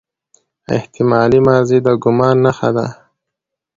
احتمالي ماضي د ګومان نخښه ده.